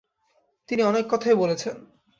তিনি অনেক কথাই বলেছেন।